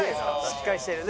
しっかりしてるね。